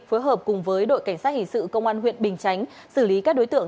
phối hợp cùng với đội cảnh sát hình sự công an huyện bình chánh xử lý các đối tượng